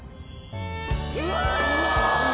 うわ！